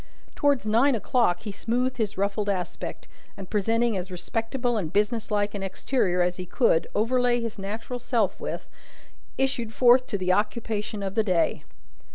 Towards nine o'clock he smoothed his ruffled aspect, and, presenting as respectable and business like an exterior as he could overlay his natural self with, issued forth to the occupation of the day.